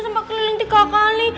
sampai keliling tiga kali